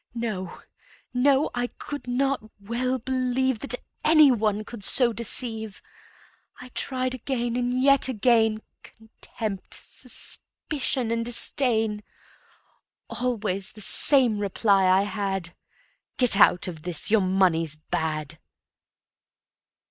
No, no, I could not well believe That any one could so deceive. I tried again and yet again Contempt, suspicion and disdain; Always the same reply I had: "Get out of this. Your money's bad."